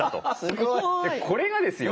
これがですよ